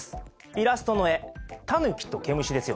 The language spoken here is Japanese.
イラストの絵タヌキと毛虫ですよね。